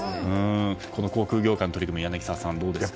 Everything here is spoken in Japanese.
航空業界の取り組み柳澤さん、どうですか。